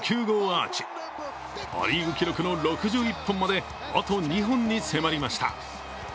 ア・リーグ記録の６１本まであと２本に迫りました。